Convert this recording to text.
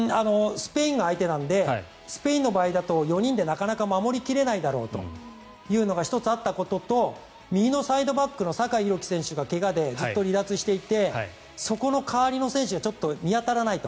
スペインが相手なのでスペインの場合だと４人でなかなか守り切れないだろうというのが１つあったことと右のサイドバックの酒井宏樹選手が怪我でずっと離脱していてそこの代わりの選手がちょっと見当たらないと。